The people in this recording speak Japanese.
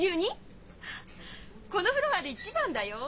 このフロアで一番だよ。